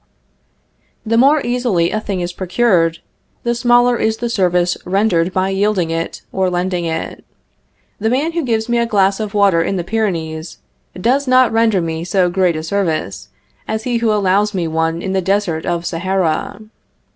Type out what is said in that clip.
The more easily a thing is procured, the smaller is the service rendered by yielding it or lending it. The man who gives me a glass of water in the Pyrenees, does not render me so great a service as he who allows me one in the desert of Sahara.